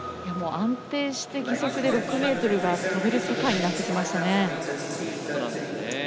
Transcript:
安定して義足で６ｍが跳べる世界になってきましたね。